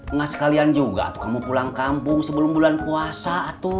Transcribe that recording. enggak sekalian juga tuh kamu pulang kampung sebelum bulan puasa tuh